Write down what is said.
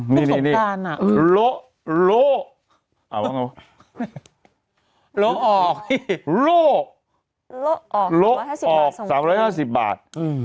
พี่สมตาลน่ะโล่โล่โล่ออกโล่โล่ออก๓๕๐บาท